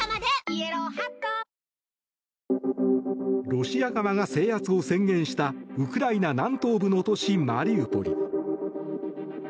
ロシア側が制圧を宣言したウクライナ南東部の都市マリウポリ。